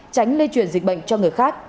tránh lây chuyển dịch bệnh cho người khác